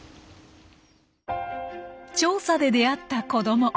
調査で出会った子ども。